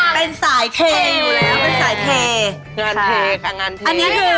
เป็นสายเทอยู่แล้วเป็นสายเท